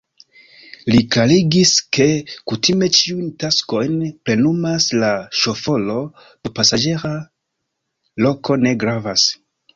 Li klarigis, ke kutime ĉiujn taskojn plenumas la ŝoforo, do pasaĝera loko ne gravas.